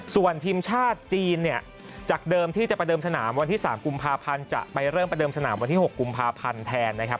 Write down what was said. ส่วนทีมชาติจีนเนี่ยจากเดิมที่จะประเดิมสนามวันที่๓กุมภาพันธ์จะไปเริ่มประเดิมสนามวันที่๖กุมภาพันธ์แทนนะครับ